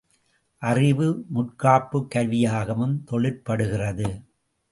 அறிவு, முற்காப்புக் கருவியாகவும் தொழிற்படுகிறது.